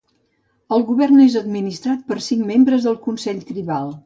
El govern és administrat per cinc membres del consell tribal.